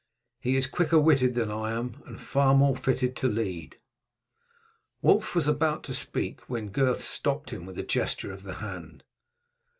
He is quicker witted than I am, and far more fitted to lead." Wulf was about to speak, when Gurth stopped him with a gesture of the hand.